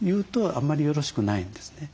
あんまりよろしくないんですね。